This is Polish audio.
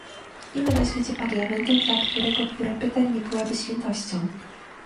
Nie ma na świecie parlamentu, dla którego tura pytań nie byłaby świętością